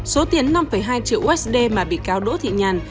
số tiền năm hai triệu usd mà bị cáo đỗ thị nhàn